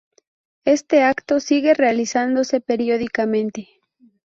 Este acto sigue realizándose periódicamente.